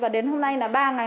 và đến hôm nay là ba ngày